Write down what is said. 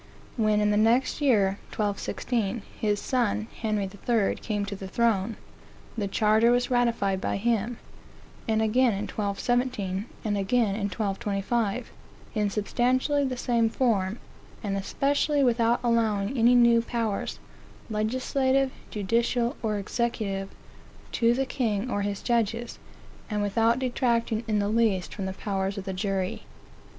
When, in the next year, (1216,) his son, Henry III., came to the throne, the charter was ratified by him, and again in 1217, and again in 1225, in substantially the same form, and especially without allowing any new powers, legislative, judicial, or executive, to the king or his judges, and without detracting in the least from the powers of the jury.